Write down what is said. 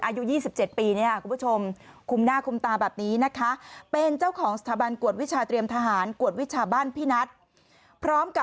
อายุ๒๗ปีเนี่ยคุณผู้ชม